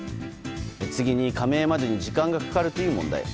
次に、加盟までに時間がかかるという問題。